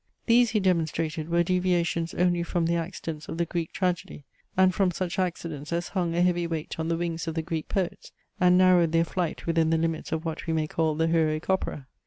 These, he demonstrated, were deviations only from the accidents of the Greek tragedy; and from such accidents as hung a heavy weight on the wings of the Greek poets, and narrowed their flight within the limits of what we may call the heroic opera.